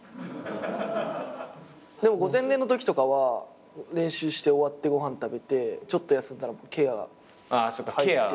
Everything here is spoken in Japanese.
でも午前練のときとかは練習して終わってご飯食べてちょっと休んだらケア入って。